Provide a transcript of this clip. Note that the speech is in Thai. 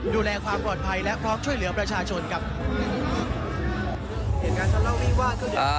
ดูแลความปลอดภัยและพร้อมช่วยเหลือประชาชนครับ